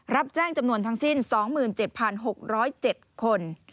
รับแจ้งจำนวนทั้งสิ้น๒๗๖๐๗คน